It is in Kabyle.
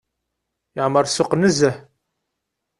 Yeɛmer ssuq nezzeh.